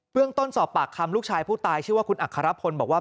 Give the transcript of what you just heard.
เรื่องต้นสอบปากคำลูกชายผู้ตายชื่อว่าคุณอัครพลบอกว่า